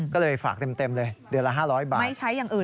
ก็เลยฝากเต็มเลยเดือนละ๕๐๐บาท